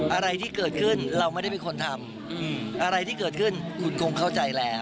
อะไรที่เกิดขึ้นเราไม่ได้เป็นคนทำอะไรที่เกิดขึ้นคุณคงเข้าใจแล้ว